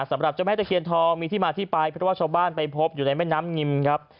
สำหรับเจ้าแม่ตะเคียนทองมีที่มาที่ไปเพราะว่าชาวบ้านไปพบอยู่ในแม่น้ำงิมครับ